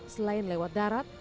selain lewat darat